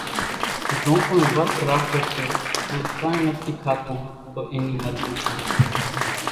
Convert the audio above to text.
زو ڪونئين ورت راکي سي ان ڪانئين نٿي کاتو تو اين نِي مرضي سي،